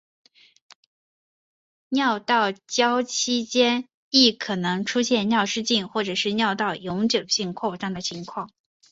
尿道交期间亦可能出现尿失禁和尿道永久性扩张的情况。